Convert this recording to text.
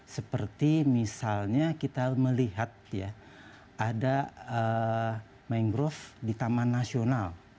seperti misalnya kita melihat ya ada mangrove di taman nasional